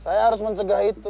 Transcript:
saya harus mencegah itu